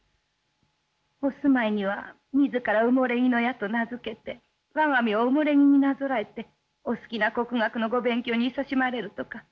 お住まいには自ら埋木舎と名付けて我が身を埋木になぞらえてお好きな国学のご勉強にいそしまれるとか。